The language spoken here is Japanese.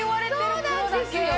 そうなんですよ！